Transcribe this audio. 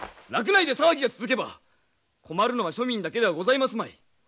洛内で騒ぎが続けば困るのは庶民だけではございますまい。